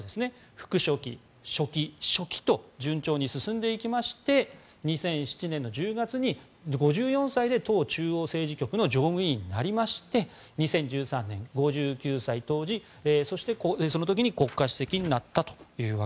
副書記、書記、書記と順調に進んでいきまして２００７年の１０月に５４歳で党中央政治局の常務委員になりまして２０１３年、５９歳当時に国家主席になったと。